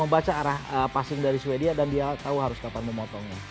membaca arah passing dari sweden dan dia tahu harus kapan memotongnya